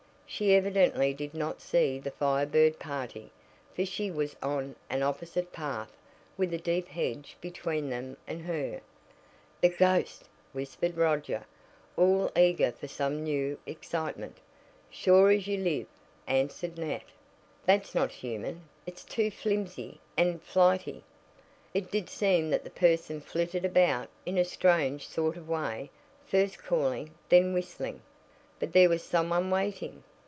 She evidently did not see the Fire Bird party, for she was on an opposite path, with a deep hedge between them and her. "The ghost!" whispered Roger, all eager for some new excitement. [Illustration: "SHE CALLED LIGHTLY TO SOME ONE ON THE ROADWAY." Page 108.] "Sure as you live!" answered Nat. "That's not human it's too flimsy and flighty." It did seem that the person flitted about in a strange sort of way, first calling, then whistling. But there was some one waiting.